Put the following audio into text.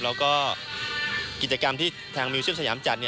แล้วก็กิจกรรมที่ทางมิวเซียมสยามจัด